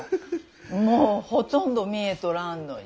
もうほとんど見えとらんのに。